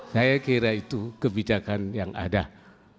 saya kira itu adalah tenaga yang tidak ada tenaga dalam negeri